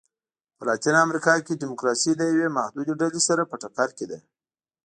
په لاتینه امریکا کې ډیموکراسي له یوې محدودې ډلې سره په ټکر کې ده.